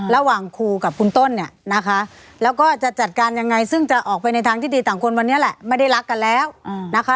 ระหว่างครูกับคุณต้นเนี่ยนะคะแล้วก็จะจัดการยังไงซึ่งจะออกไปในทางที่ดีต่างคนวันนี้แหละไม่ได้รักกันแล้วนะคะ